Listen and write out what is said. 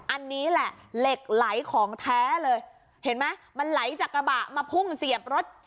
อันนี้แหละเหล็กไหลของแท้เลยเห็นไหมมันไหลจากกระบะมาพุ่งเสียบรถ